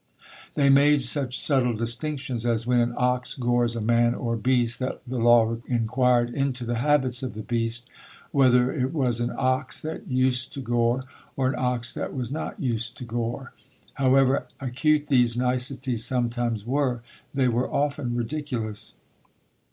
They made such subtile distinctions, as when an ox gores a man or beast, the law inquired into the habits of the beast; whether it was an ox that used to gore, or an ox that was not used to gore. However acute these niceties sometimes were, they were often ridiculous.